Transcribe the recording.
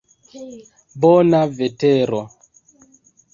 Bona vetero.